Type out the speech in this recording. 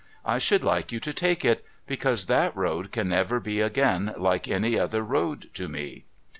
I should like you to take it, because that road can never be again like any other road to me.